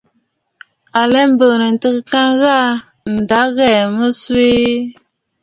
À lɛ mbɨ̀ɨ̀nə̀ ntəə ŋka ghaa, ǹda ɨ ghɛɛ̀ mə swee.